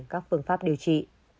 các phương pháp này